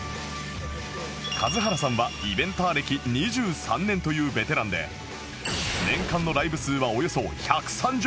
數原さんはイベンター歴２３年というベテランで年間のライブ数はおよそ１３０本！